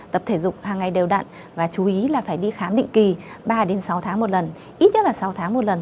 tập thể dục hàng ngày đều đặn và chú ý là phải đi khám định kỳ ba đến sáu tháng một lần ít nhất là sáu tháng một lần